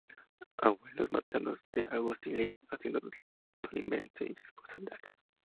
Abuelos paternos: D. Agustín Lis, hacendado tolimense; y su esposa, Da.